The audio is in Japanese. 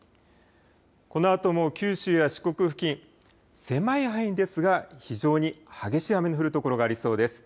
このあとも九州や四国付近、狭い範囲ですが非常に激しい雨の降る所がありそうです。